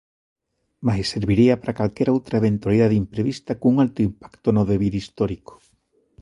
Mais serviría pra calquera outra eventualidade imprevista cun alto impacto no devir histórico.